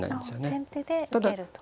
あ先手で受けると。